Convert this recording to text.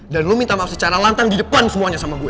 dan lo minta maaf secara lantang didepan semuanya sama gue